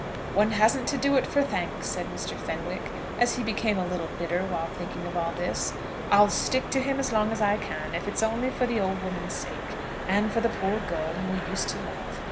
"One hasn't to do it for thanks," said Mr. Fenwick, as he became a little bitter while thinking of all this. "I'll stick to him as long as I can, if it's only for the old woman's sake, and for the poor girl whom we used to love."